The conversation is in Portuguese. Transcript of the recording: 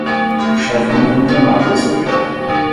O chefe não foi informado desse projeto